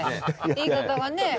言い方がね。